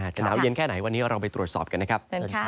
จะหนาวเย็นแค่ไหนวันนี้เราไปตรวจสอบกันนะครับ